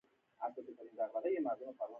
مسلسل یې په یوه کیفیت غېږ کې نېولی وم.